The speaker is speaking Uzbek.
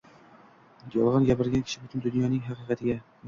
yolg‘on gapirgan kishi butun dunyoning haqiqatiga